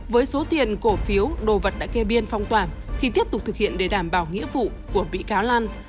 với số tiền cổ phiếu đồ vật đã kê biên phong tỏa thì tiếp tục thực hiện để đảm bảo nghĩa vụ của bị cáo lan